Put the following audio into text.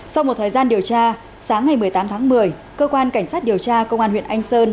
sau một thời gian điều tra sáng ngày một mươi tám tháng một mươi cơ quan cảnh sát điều tra công an huyện anh sơn